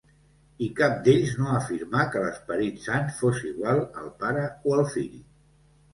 I cap d'ells no afirmà que l'Esperit Sant fos igual al Pare o al Fill.